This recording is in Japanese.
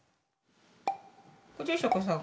ご住職さん